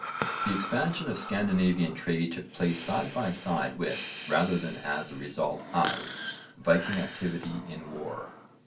The expansion of Scandinavian trade took place side by side with, rather than as a result of, Viking activity in war.